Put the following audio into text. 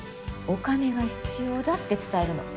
お金が必要だって伝えるの。